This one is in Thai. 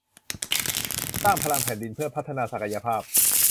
สร้างพลังแผ่นดินเพื่อพัฒนาศักยภาพ